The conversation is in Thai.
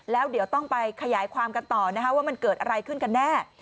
แล้วเดี๋ยวต้องไปขยายความกันต่อนะคะว่ามันเกิดอะไรขึ้นกันแน่